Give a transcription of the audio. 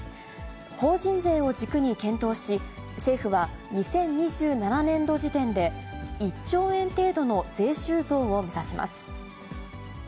法人税を軸に検討し、政府は２０２７年度時点で、１兆円程度の税収増を目指します。